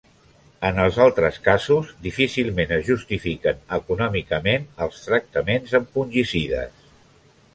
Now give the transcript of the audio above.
En els altres casos, difícilment es justifiquen econòmicament els tractaments amb fungicides.